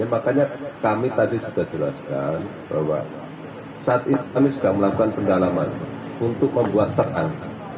makanya kami tadi sudah jelaskan bahwa saat ini kami sedang melakukan pendalaman untuk membuat terang